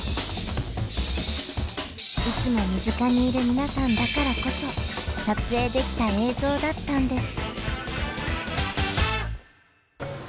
いつも身近にいる皆さんだからこそ撮影できた映像だったんです。